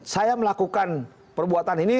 saya melakukan perbuatan ini